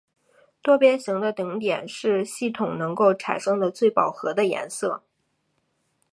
多边形的顶点是系统能够产生的最饱和的颜色。